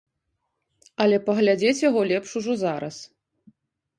Але паглядзець яго лепш ужо зараз.